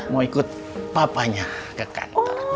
mau ikut papanya ke kantor